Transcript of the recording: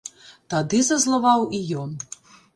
Тады зазлаваў і ён.